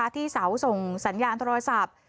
ที่เสาส่งสัญญาณโทรศัพท์